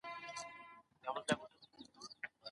د ټولنيز عدالت لپاره سياسي مبارزه اړينه ده.